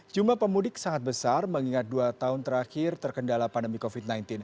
jumlah pemudik sangat besar mengingat dua tahun terakhir terkendala pandemi covid sembilan belas